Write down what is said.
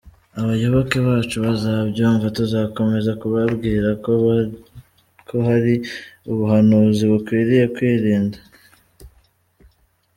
Abayoboke bacu bazabyumva tuzakomeza kubabwira ko hari ubuhanuzi bakwiriye kwirinda.